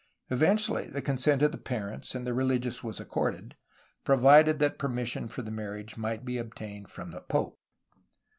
Eventually the consent of parents and religious was accorded, provided that permis sion for the marriage might be obtained from the pope.